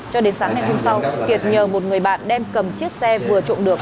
cho đến sáng ngày hôm sau kiệt nhờ một người bạn đem cầm chiếc xe vừa trộm được